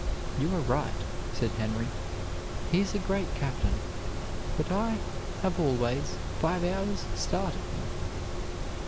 "You are right," said Henry, "he is a great captain, but I have always five hours' start of him."